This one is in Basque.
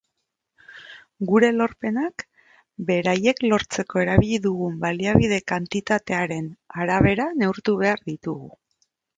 Gure lorpenak, beraiek lortzeko erabili dugun baliabide kantitatearen arabera neurtu behar ditugu.